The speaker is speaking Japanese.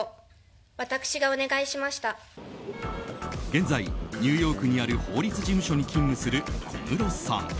現在、ニューヨークにある法律事務所に勤務する小室さん。